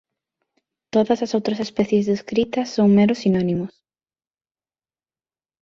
Todas as outras especies descritas son meros sinónimos